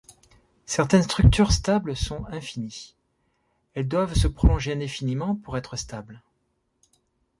Certaines structures stables sont infinies: elles doivent se prolonger indéfiniment pour être stables.